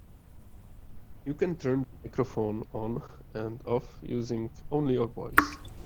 You can turn the microphone on and off using only your voice.